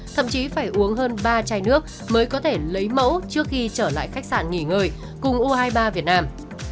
thậm chí phải uống hơn ba chai nước mới có thể lấy mẫu trước khi trở lại khách sạn nghỉ ngơi cùng u hai mươi ba việt nam